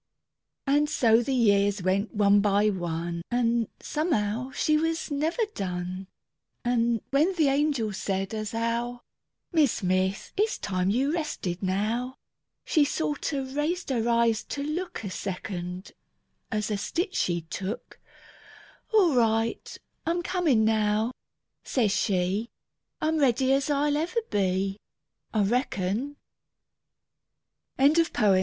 And so the years went one by one. An' somehow she was never done; An' when the angel said, as how " Mis' Smith, it's time you rested now," She sorter raised her eyes to look A second, as a^ stitch she took; All right, I'm comin' now," says she, I'm ready as I'll ever be, I reckon," Albert Bigelow Paine.